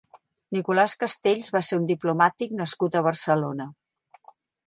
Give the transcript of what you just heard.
Nicolás Castells va ser un diplomàtic nascut a Barcelona.